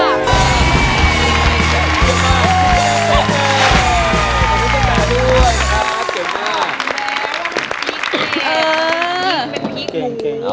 ขอบคุณต่อไปด้วยครับเก่งมาก